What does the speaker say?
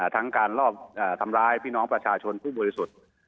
ทั้งการรอบทำร้ายพี่น้องประชาชนผู้บริสุทธิ์